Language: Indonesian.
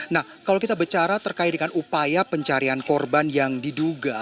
nah kalau kita bicara terkait dengan upaya pencarian korban yang diduga